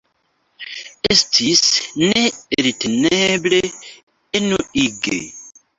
Estis neelteneble enuige.